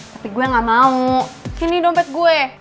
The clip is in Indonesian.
tapi gue gak mau kini dompet gue